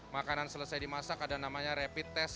makanan selesai dimasak ada namanya rapid test